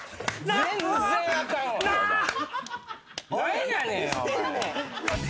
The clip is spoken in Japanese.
何やねん！